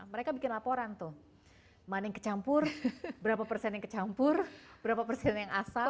mereka bikin laporan tuh mana yang kecampur berapa persen yang kecampur berapa persen yang asal